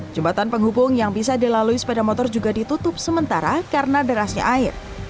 jembatan penghubung yang bisa dilalui sepeda motor juga ditutup sementara karena derasnya air